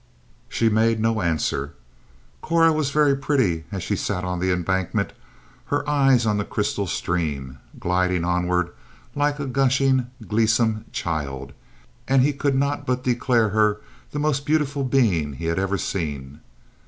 She made no answer. Cora was very pretty as she sat on the embankment, her eyes upon the crystal stream, gliding onward like a gushing, gleesome child, and he could not but declare her the most beautiful being he had ever seen.